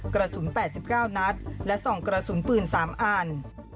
กระสุน๘๙นัดและส่องกระสุนปืน๓อัน